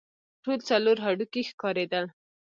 ټول څلور هډوکي ښکارېدل.